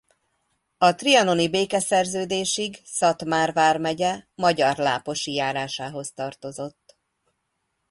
A trianoni békeszerződésig Szatmár vármegye Magyarláposi járásához tartozott.